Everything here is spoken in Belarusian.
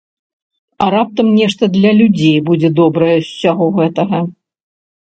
А раптам нешта для людзей будзе добрае з усяго гэтага.